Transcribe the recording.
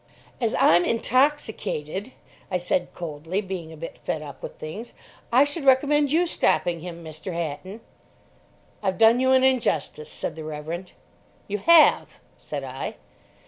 "As I'm intoxicated," I said, coldly (being a bit fed up with things), "I should recommend you stopping him, Mr. Hatton." "I've done you an injustice," said the Reverend. "You have," said I.